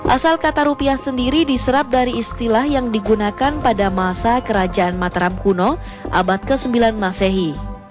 asal kata rupiah sendiri diserap dari istilah yang digunakan pada masa kerajaan mataram kuno abad ke sembilan masehi